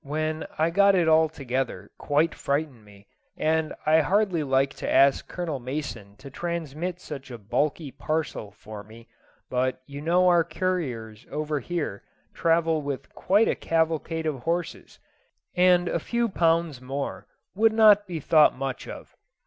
when I got it all together quite frightened me, and I hardly liked to ask Colonel Mason to transmit such a bulky parcel for me; but you know our couriers over here travel with quite a cavalcade of horses, and a few pounds more would not be thought much of.